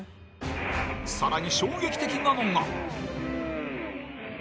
更に衝撃的なのが。